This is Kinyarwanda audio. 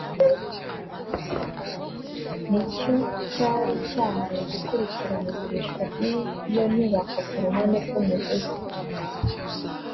nicyo cyari cyahawe gukurikirana igurishwa ry’iyo nyubako ku ruhande rw’umuguzi